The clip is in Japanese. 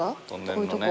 こういうとこ？